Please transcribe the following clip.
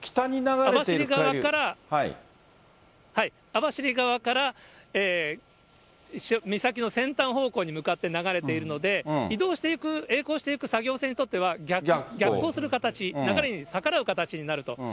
網走側から、岬の先端方向に向かって流れているので、移動していく、えい航していく作業船にとっては逆行する形、流れに逆らう形になると。